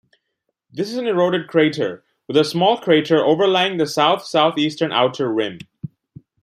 This is an eroded crater with a small crater overlying the south-southeastern outer rim.